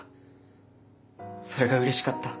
それがうれしかった。